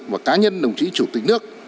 và cá nhân đồng chí chủ tịch nước